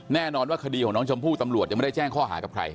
แน่นอนว่าคดีของน้องชมพู่ตำรวจยังไม่ได้แจ้งข้อหากับใคร